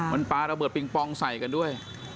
มันปลาระเบิดปิงปองใส่กันด้วย